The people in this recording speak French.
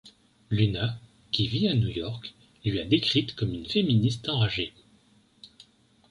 Luna, qui vit à New York, lui a décrite comme une féministe enragée.